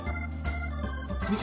見て。